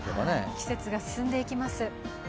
季節が進んでいきます。